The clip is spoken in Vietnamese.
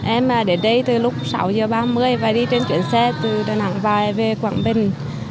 em đến đây từ lúc sáu giờ ba mươi và đi trên chuyến xe từ đà nẵng vài về quảng bình